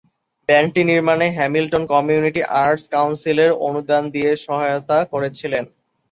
ব্যান্ডটি নির্মাণে Hamilton community arts কাউন্সিলের অনুদান দিয়ে সহায়তা করেছিল।